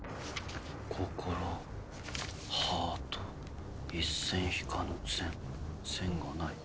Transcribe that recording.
心ハート一線引かぬ線線がない。